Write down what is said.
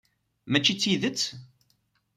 Mačči d tidet?